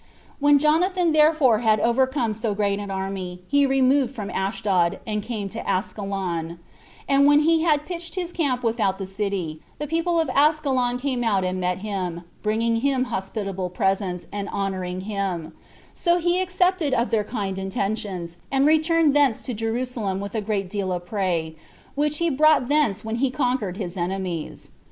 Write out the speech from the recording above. When Jonathan therefore had overcome so great an army, he removed from Ashdod, and came to Askelon; and when he had pitched his camp without the city, the people of Askelon came out and met him, bringing him hospitable presents, and honoring him; so he accepted of their kind intentions, and returned thence to Jerusalem with a great deal of prey, which he brought thence when he conquered his enemies.